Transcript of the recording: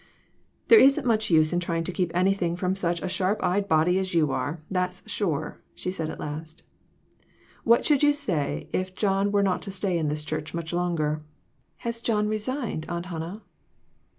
"There isn't much use in trying to keep any thing from such a sharp eyed body as you are, that's sure!" she said, at last. "What should you say if John were not to stay in this church much longer?" THREE OF US. 395 "Has John resigned, Aunt Hannah?"